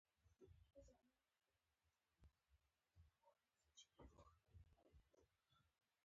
افریقایي متل وایي یو څوک په خپله ځان ته کار نه شي کولای.